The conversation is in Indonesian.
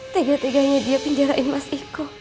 tegak tegaknya dia pinjarin mas iko